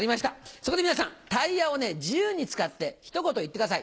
そこで皆さんタイヤを自由に使ってひと言言ってください。